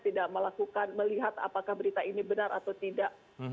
tidak melakukan melihat apakah berita ini benar atau tidak